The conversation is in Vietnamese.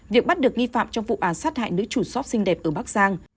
việc bắt được nghi phạm trong vụ án sát hại nữ chủ xót xinh đẹp ở bắc giang